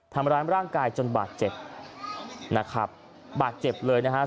ทำร้ายร่างกายจนบาดเจ็บนะครับบาดเจ็บเลยนะฮะ